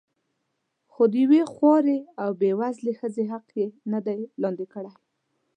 خو د یوې خوارې او بې وزلې ښځې حق یې نه دی لاندې کړی.